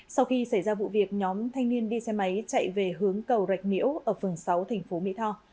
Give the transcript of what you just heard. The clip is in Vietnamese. sau khi xảy ra vụ việc nhóm thanh niên đi xe máy chạy về hướng cầu rạch miễu ở phường sáu thành phố mỹ tho